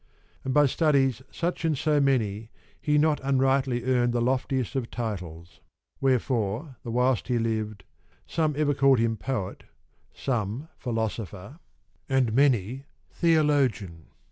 And by studies such and so many he not unrightly earned the loftiest of titles, wherefore, the whilst he lived, some ever called him Poet, some Philosopher, 13 and many Theologian.